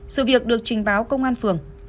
sự việc được trình báo công an phường